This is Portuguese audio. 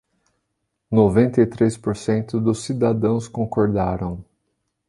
Noventa e três por cento dos cidadãos concordaram